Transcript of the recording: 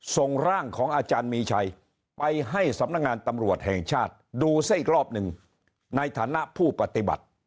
ส่งร่างของอาจารย์มีชัยไปให้สำนักงานตำรวจแห่งชาติดูซะอีกรอบหนึ่งในฐานะผู้ปฏิบัติ